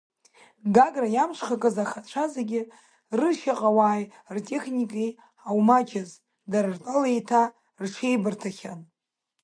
Гагра иамҽхакыз аӷацәа зегьы рыршьаҟауааи ртехникеи аумаҷыз, дара ртәала еиҭа рҽеибырҭахьан.